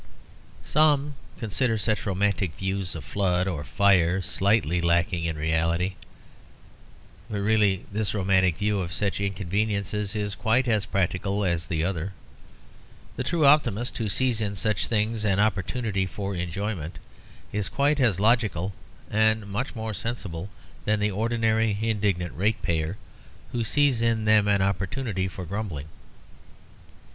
Some consider such romantic views of flood or fire slightly lacking in reality. But really this romantic view of such inconveniences is quite as practical as the other. The true optimist who sees in such things an opportunity for enjoyment is quite as logical and much more sensible than the ordinary "Indignant Ratepayer" who sees in them an opportunity for grumbling.